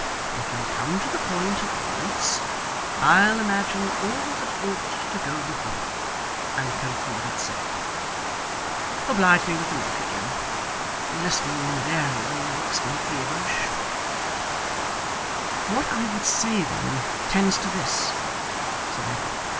If you'll come to the point at once, I'll imagine all that ought to go before, and conclude it said. Oblige me with the milk again. Listening, invariably makes me feverish.' 'What I would say then, tends to this,' said Edward.